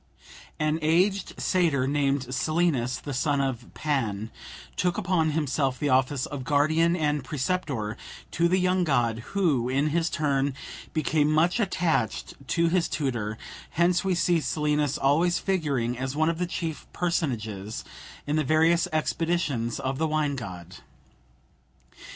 An aged satyr named Silenus, the son of Pan, took upon himself the office of guardian and preceptor to the young god, who, in his turn, became much attached to his kind tutor; hence we see Silenus always figuring as one of the chief personages in the various expeditions of the wine god.